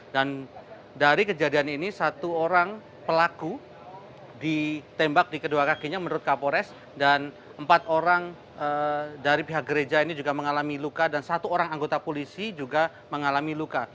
dan dari kejadian ini satu orang pelaku ditembak di kedua kakinya menurut kapolres dan empat orang dari pihak gereja ini juga mengalami luka dan satu orang anggota polisi juga mengalami luka